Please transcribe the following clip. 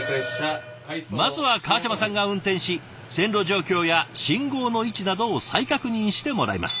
まずは川島さんが運転し線路状況や信号の位置などを再確認してもらいます。